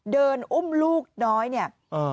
อุ้มลูกน้อยเนี่ย